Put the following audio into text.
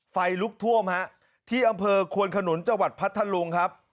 ไฟลุกท่วมฮะที่อำเภอควนขนุนจังหวัดพัทธลุงครับ